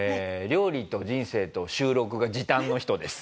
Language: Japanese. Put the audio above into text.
料理と人生と収録が時短の人です。